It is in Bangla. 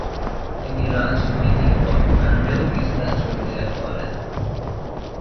তিনি রাজনৈতিক কর্মকাণ্ডেও কিছুটা জড়িয়ে পড়েন।